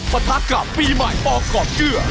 ประทักกรรมปีใหม่ปอกกอบเกลือ